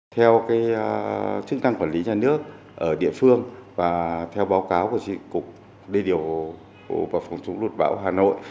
theo chức năng quản lý nhà nước ở địa phương và theo báo cáo của trị cục đê điều và phòng chống lụt bão hà nội